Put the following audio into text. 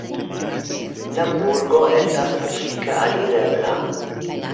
La burgo estas publike alirebla.